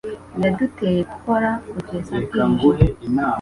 Yaduteye gukora kugeza bwije.